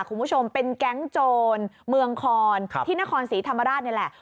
คุณผู้ชมเป็นแก๊งโจรเมืองคอนที่นครศรีธรรมราชนี่แหละ